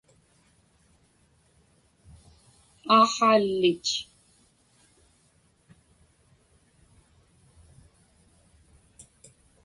aaqhaalich